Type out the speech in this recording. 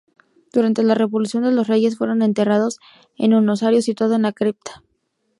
Durante la Revolución los reyes fueron enterrados en un osario situado en la cripta.